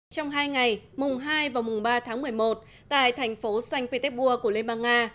trong hai ngày mùng hai và mùng ba tháng một mươi một tại thành phố sanh pi tec bua của liên bang nga